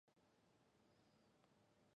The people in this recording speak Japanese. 久々に友人に会い、話が盛り上がりました。